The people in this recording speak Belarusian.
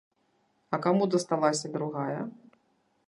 А каму дасталася другая?